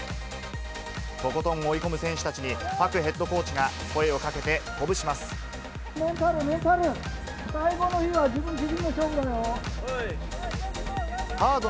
とことん追い込む選手たちに、パクヘッドコーチが声をかけて、メンタル、メンタル。